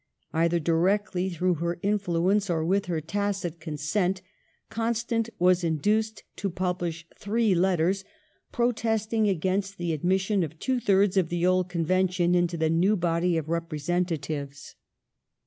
Either directly through her influence or with her tacit consent, Constant was induced to publish three letters protesting against the admission of two thirds of the old Convention into the new body of Representatives.